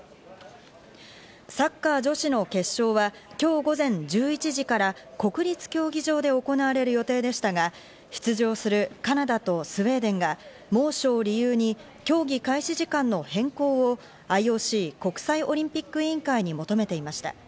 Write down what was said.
サッカー女子の決勝は今日午前１１時から国立競技場で行われる予定でしたが、出場するカナダとスウェーデンが猛暑を理由に競技開始時間の変更をＩＯＣ＝国際オリンピック委員会に求めていました。